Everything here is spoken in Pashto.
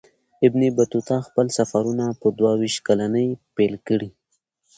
ابن بطوطه خپل سفرونه په دوه ویشت کلنۍ پیل کړي.